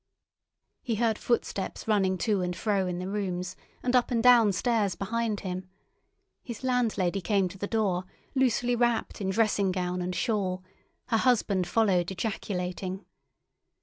He heard footsteps running to and fro in the rooms, and up and down stairs behind him. His landlady came to the door, loosely wrapped in dressing gown and shawl; her husband followed, ejaculating.